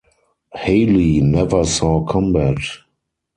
Hawley never saw combat.